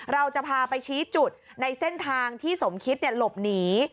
เราจะพาไปชี้จุดในเส้นทางที่สมคิดหลบหนี